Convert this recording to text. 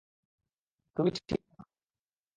তুমি ঠিক নও।